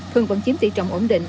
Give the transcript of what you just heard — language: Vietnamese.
thường vẫn chiếm tỷ trọng ổn định